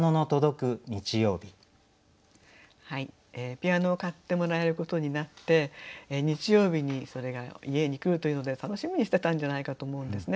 ピアノを買ってもらえることになって日曜日にそれが家に来るというので楽しみにしてたんじゃないかと思うんですね。